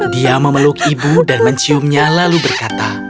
dia memeluk ibu dan menciumnya lalu berkata